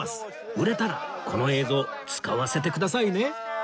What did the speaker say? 売れたらこの映像使わせてくださいね